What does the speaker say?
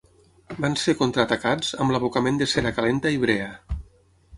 Van ser contraatacats amb l'abocament de cera calenta i brea.